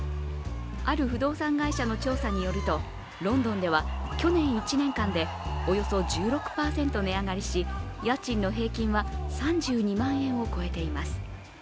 ある不動産会社の調査によるとロンドンでは去年１年間でおよそ１６％値上がりし家賃の平均は３２万円を超えています。